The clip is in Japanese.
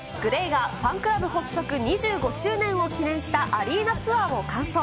ＧＬＡＹがファンクラブ発足２５周年を記念したアリーナツアーを完走。